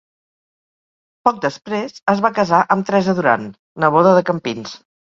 Poc després es va casar amb Teresa Duran, neboda de Campins.